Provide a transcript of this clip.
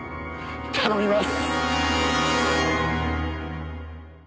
頼みます！